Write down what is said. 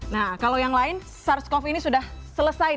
nah kalau yang lain sars cov ini sudah selesai